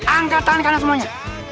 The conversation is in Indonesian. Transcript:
angkat tangan kanan semuanya